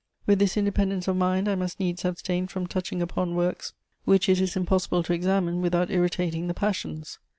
With this independence of mind, I must needs abstain from touching upon works which it is impossible to examine without irritating the passions.